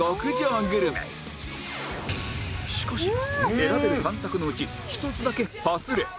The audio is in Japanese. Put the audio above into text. しかし選べる３択のうち１つだけハズレ